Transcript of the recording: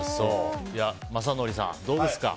雅紀さん、どうですか？